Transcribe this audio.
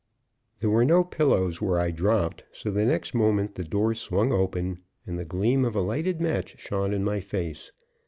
There were no pillows where I dropped, so the next moment the door swung open and the gleam of a lighted match shone in my face.